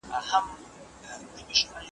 هغه سړی چې مسواک وهي تل به یې خوله پاکه وي.